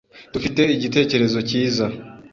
Dufite igitekerezo cyiza